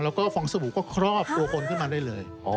แล้วก็ฟองสบู่ก็ครอบตัวคนขึ้นมาได้เลย